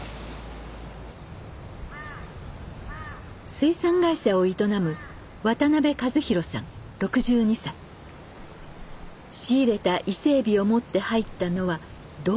水産会社を営む仕入れた伊勢エビを持って入ったのは洞窟。